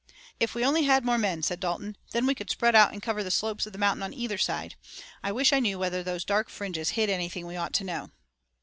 "If we only had more men," said Dalton. "Then we could spread out and cover the slopes of the mountains on either side. I wish I knew whether those dark fringes hid anything we ought to know."